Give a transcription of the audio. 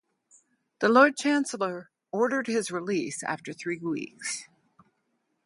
The Lord Chancellor ordered his release after three weeks.